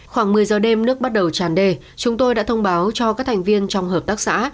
khoảng một mươi giờ đêm nước bắt đầu tràn đê chúng tôi đã thông báo cho các thành viên trong hợp tác xã